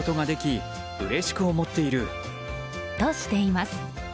と、しています。